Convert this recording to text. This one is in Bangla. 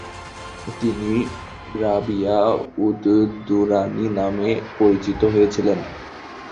তিনি রাবিয়া উদ-দুরানি নামে পরিচিত হয়েছিলেন।